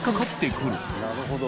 なるほど。